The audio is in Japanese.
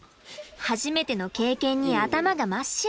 初めての経験に頭が真っ白。